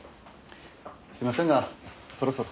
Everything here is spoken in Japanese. すいませんがそろそろ。